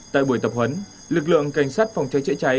tại buổi tập hấn lực lượng cảnh sát phòng cháy dưới cháy